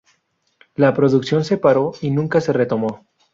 La producción se paró y nunca se retomó.